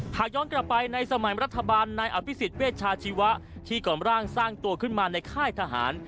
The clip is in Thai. หากย้อนกลับไปในสมัยรัฐบาลนายอภิษฎเวชาชีวะที่ก่อนร่างสร้างตัวขึ้นมาในค่ายทหาร